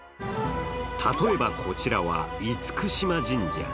例えば、こちらは厳島神社。